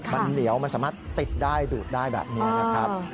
มันเหนียวมันสามารถติดได้ดูดได้แบบนี้นะครับ